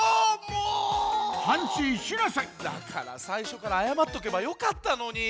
だからさいしょからあやまっとけばよかったのに。